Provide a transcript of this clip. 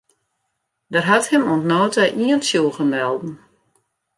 Der hat him oant no ta ien tsjûge melden.